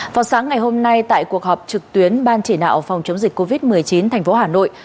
vào sáng ngày hôm nay tại cuộc họp trực tuyến ban chỉ đạo phòng chống dịch covid một mươi chín thành phố hà nội